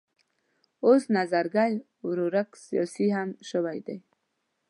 اوس نظرګی ورورک سیاسي هم شوی دی.